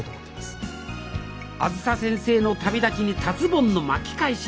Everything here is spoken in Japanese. あづさ先生の旅立ちに達ぼんの巻き返し。